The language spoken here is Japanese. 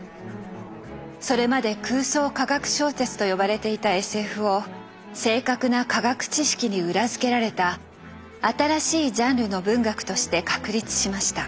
それまで「空想科学小説」と呼ばれていたＳＦを正確な科学知識に裏付けられた新しいジャンルの文学として確立しました。